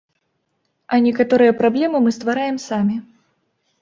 А некаторыя праблемы мы ствараем самі.